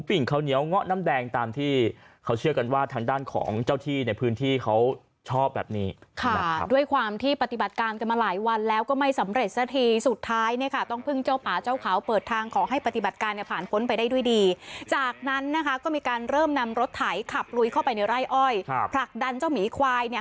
เริ่มนำรถถ่ายขับลุยเข้าไปในไร้อ้อยครับผลักดันเจ้าหมีควายเนี่ย